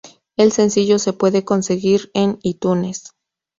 El sencillo se puede conseguir en iTunes.